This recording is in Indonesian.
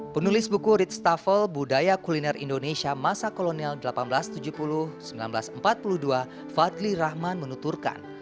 penulis buku ritstafel budaya kuliner indonesia masa kolonial seribu delapan ratus tujuh puluh seribu sembilan ratus empat puluh dua fadli rahman menuturkan